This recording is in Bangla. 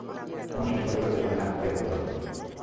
তোমার শ্বশুরবাড়ির লোকেদের সামনে আসতে ওর অস্বস্তি লাগছে।